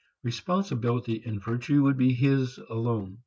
Responsibility and virtue would be his alone.